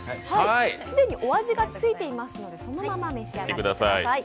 既にお味がついていますのでそのまま召し上がってください。